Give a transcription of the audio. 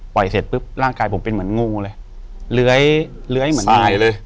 ปล่อยเสร็จปุ๊บร่างกายผมเป็นเหมือนงูเลยเลื้อยเหมือนใสเลย